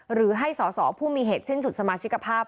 หรือให้สอสอผู้มีเหตุสิ้นสุดสมาชิกภาพ